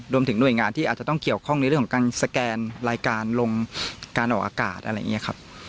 รวมถึงหน่วยงานที่อาจจะต้องเกี่ยวข้องในเรื่องของการสแกนรายการลงการออกอากาศอะไรอย่างนี้ครับ